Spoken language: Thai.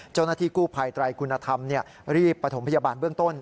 เจ้าหน้าที่กู้ภัยไตรคุณธรรมรีบประถมพยาบาลเบื้องต้น